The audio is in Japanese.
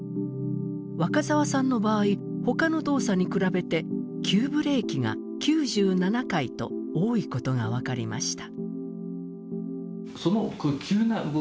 若澤さんの場合他の動作に比べて急ブレーキが９７回と多いことが分かりました。